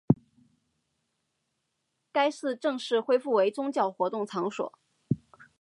该寺正式恢复为宗教活动场所。